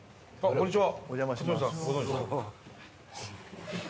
こんにちは。